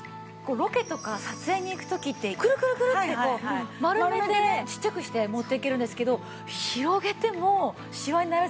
ロケとか撮影に行く時ってクルクルクルってこう丸めてちっちゃくして持って行けるんですけど広げてもシワにならずにきれいなんですよ。